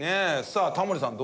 さあタモリさん